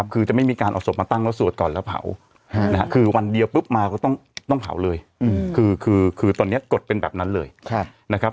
คือจะไม่มีการเอาศพมาตั้งแล้วสวดก่อนแล้วเผาคือวันเดียวปุ๊บมาก็ต้องเผาเลยคือตอนนี้กฎเป็นแบบนั้นเลยนะครับ